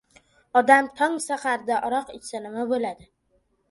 Odam tong saharda aroq ichsa nima bo‘ladi?